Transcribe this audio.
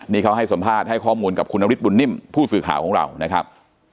นี่เขาให้สัมภาษณ์ให้ข้อมูลกับคุณนฤทธบุญนิ่มผู้สื่อข่าวของเรานะครับ